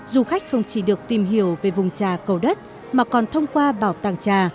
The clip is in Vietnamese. du khách không chỉ được tìm hiểu về vùng trà cầu đất mà còn thông qua bảo tàng trà